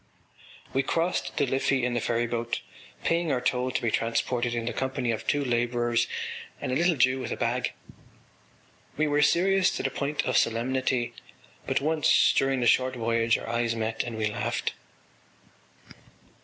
We crossed the Liffey in the ferryboat, paying our toll to be transported in the company of two labourers and a little Jew with a bag. We were serious to the point of solemnity, but once during the short voyage our eyes met and we laughed.